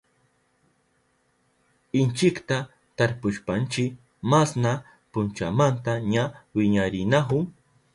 Inchikta tarpushpanchi masna punchamanta ña wiñarinahun.